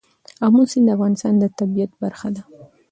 آمو سیند د افغانستان د طبیعت برخه ده.